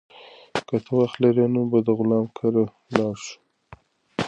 که ته وخت ولرې، نن به د غلام کره لاړ شو.